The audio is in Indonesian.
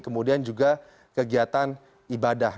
kemudian juga kegiatan ibadah